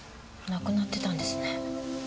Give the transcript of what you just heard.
亡くなってたんですね。